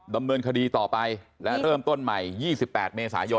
ดำเนินคดีต่อไปและเริ่มต้นใหม่๒๘เมษายน